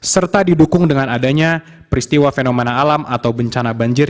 serta didukung dengan adanya peristiwa fenomena alam atau bencana banjir